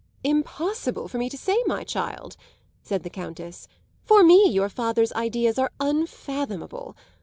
"Impossible for me to say, my child," said the Countess. "For me, your father's ideas are unfathomable.